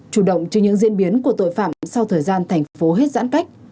chủ động trước những diễn biến của tội phạm sau thời gian thành phố hết giãn cách